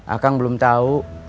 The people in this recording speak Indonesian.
akang belum tahu